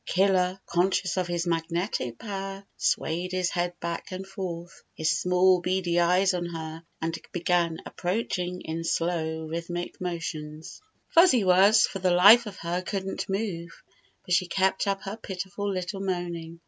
Killer, con scious of his magnetic power, swayed his head back and forth, his small, beady eyes on her, and began approaching in slow, rhythmic motions. Bumper Saves Fuzzy Wuzz from Snake 27 Fuzzy Wuzz for the life of her couldn't move, but she kept up her pitiful little moaning.